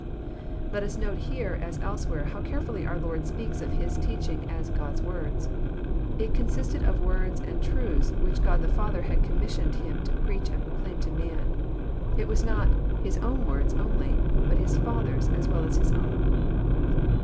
Let us note here, as elsewhere, how careftilly our Lord speaks of His teaching as *» God's words." It consisted of words and truths which God the Father had commissioned Him to preach and proclaim to man. It was not *< His own words " only, but His Father's as well as His own.